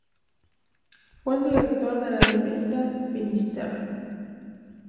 Fue director de la revista "Finisterre".